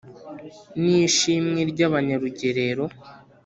n’ishimwe ry’abanyarugerero